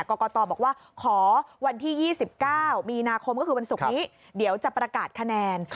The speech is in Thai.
กรกตบอกว่าขอวันที่๒๙มีนาคมก็คือวันศุกร์นี้เดี๋ยวจะประกาศคะแนน